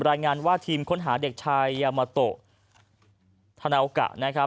รายงานว่าทีมค้นหาเด็กชายยามาโตธานาวกะ